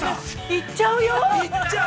行っちゃう？